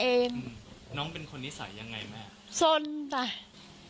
น้องเป็นคนนิสัยยังไงแม่